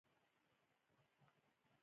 هغه کسان د ناکامۍ ښکار کېږي چې ناهيلي وي.